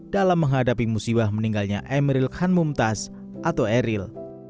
dalam menghadapi musibah meninggalnya emeril khan mumtaz atau eril